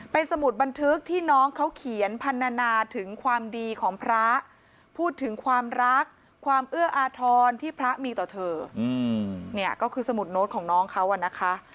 เป็นสมุดบันทึกที่น้องเขาเขียนพันธนาถึงความดีของพระพูดถึงความรักความเอื้ออาทรที่พระมีต่อเธอเนี่ยก็คือสมุดโน้ตของน้องเขาอะนะคะ